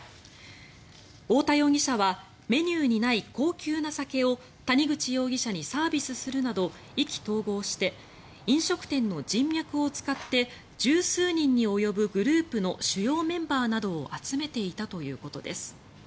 太田容疑者はメニューにない高級な酒を谷口容疑者にサービスするなど意気投合して飲食店の人脈を使って１０数人に及ぶグループの主要メンバーなどを集めていたということです。